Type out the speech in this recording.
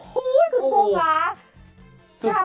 คุณพวก่า